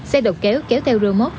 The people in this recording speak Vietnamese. xe đầu kéo kéo theo remote